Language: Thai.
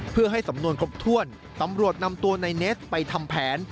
เพื่อให้สำนวนครบถ้วนตำรวจนำตัวในเนสไปทำแผน